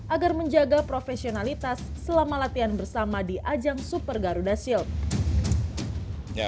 agar menjaga profesionalitas selama latihan bersama di ajang super garuda shield